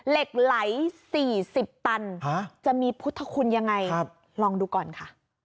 เหล็กไหล๔๐ตันจะมีพุทธคุณยังไงลองดูก่อนค่ะ